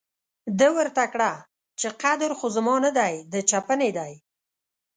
ده ورته کړه چې قدر خو زما نه دی، د چپنې دی.